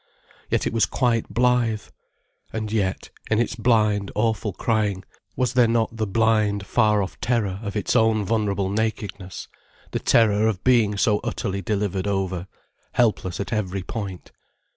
Yet it was quite blithe. And yet, in its blind, awful crying, was there not the blind, far off terror of its own vulnerable nakedness, the terror of being so utterly delivered over, helpless at every point.